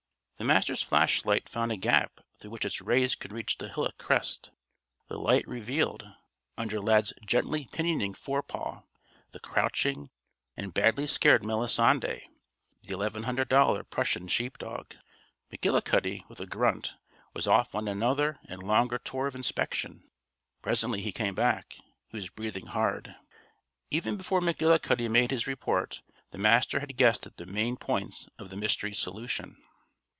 The Master's flashlight found a gap through which its rays could reach the hillock crest. The light revealed, under Lad's gently pinioning forepaw, the crouching and badly scared Melisande the $1100 Prussian sheep dog. McGullicuddy, with a grunt, was off on another and longer tour of inspection. Presently he came back. He was breathing hard. Even before McGillicuddy made his report the Master had guessed at the main points of the mystery's solution.